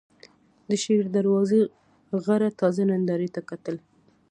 د شېر دروازې غره تازه نندارې ته کتل.